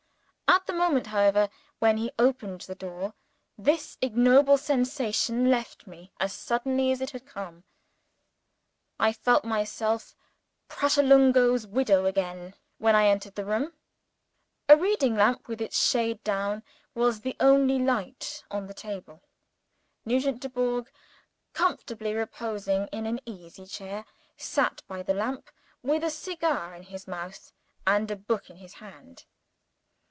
At the moment, however, when he opened the door, this ignoble sensation left me as suddenly as it had come. I felt myself Pratolungo's widow again, when I entered the room. A reading lamp, with its shade down, was the only light on the table. Nugent Dubourg, comfortably reposing in an easychair, sat by the lamp, with a cigar in his mouth, and a book in his hand.